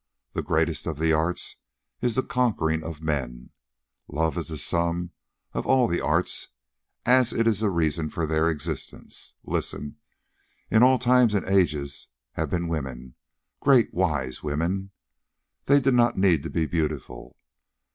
The greatest of the arts is the conquering of men. Love is the sum of all the arts, as it is the reason for their existence. Listen. In all times and ages have been women, great wise women. They did not need to be beautiful.